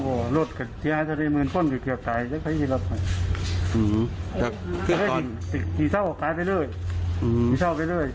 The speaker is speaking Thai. โอ้โฮทุกขั้นเลิกขายเลย